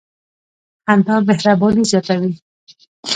• خندا مهرباني زیاتوي.